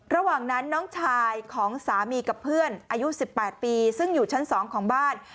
ระหว่างนั้นน้องชายของสามีกับเพื่อนอายุ๑๘ปีซึ่งอยู่ชั้น๒ของบ้าน